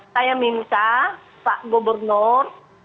saya minta pak gubernur